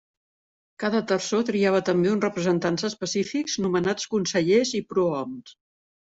Cada terçó triava també uns representants específics, nomenats consellers i prohoms.